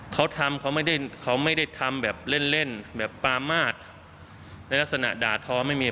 เขาทำเขาไม่ได้เขาไม่ได้ทำแบบเล่นเล่นแบบปามาศในลักษณะด่าท้อไม่มี